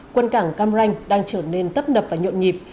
quân cảng cam ranh đang trở nên tấp nập và nhộn nhịp